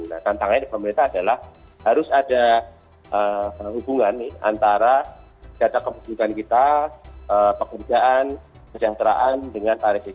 nah tantangannya di pemerintah adalah harus ada hubungan antara data kependudukan kita pekerjaan kesejahteraan dengan tarif